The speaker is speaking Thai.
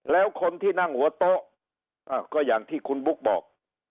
แล้วคนที่นั่งหัวโต๊ะก็อย่างที่คุณบุ๊กบอก